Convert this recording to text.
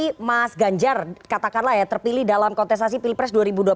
jadi mas ganjar katakanlah ya terpilih dalam kontestasi pilpres dua ribu dua puluh empat